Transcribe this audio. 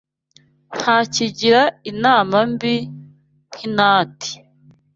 Nta kigira inama mbi nk’intati